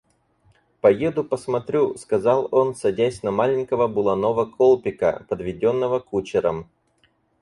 Поеду посмотрю, — сказал он, садясь на маленького буланого Колпика, подведенного кучером.